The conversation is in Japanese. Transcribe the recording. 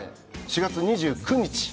４月２９日。